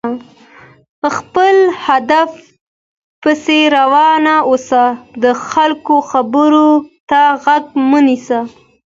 خپل هدف پسې روان اوسه، د خلکو خبرو ته غوږ مه نيسه!